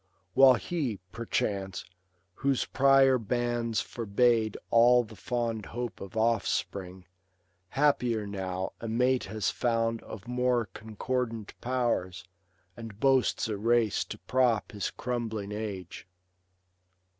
While he, perchance, whose prior banns forbade All the fond hope of offspring, happier now A mate has found of more concordant powers, And boasts a race to prop hi» crumbling age.